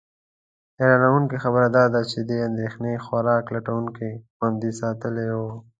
حیرانونکې خبره دا ده چې دې اندېښنې خوراک لټونکي خوندي ساتلي ول.